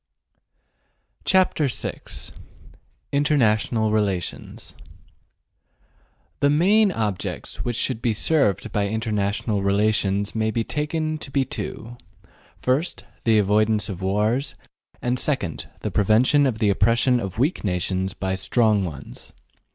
CHAPTER VI INTERNATIONAL RELATIONS THE main objects which should be served by international relations may be taken to be two: First, the avoidance of wars, and, second, the prevention of the oppression of weak nations by strong ones.